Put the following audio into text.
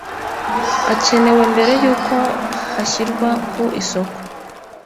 akenewe mbere y uko hashyirwa ku isoko